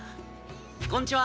こんちは！